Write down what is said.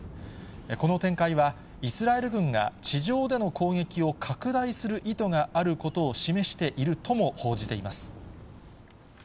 この展開は、イスラエル軍が地上での攻撃を拡大する意図があることを示しているとも報じています。